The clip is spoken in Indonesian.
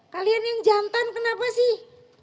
kalian yang jantan kenapa sih